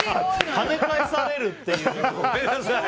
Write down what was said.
はね返されるっていう。